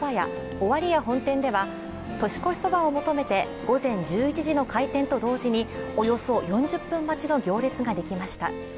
尾張屋本店では年越しそばを求めて午前１１時の開店と同時におよそ４０分待ちの行列ができました。